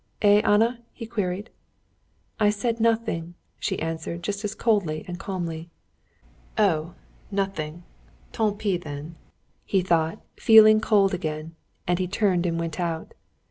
"Eh, Anna?" he queried. "I said nothing," she answered just as coldly and calmly. "Oh, nothing, tant pis then," he thought, feeling cold again, and he turned and went out.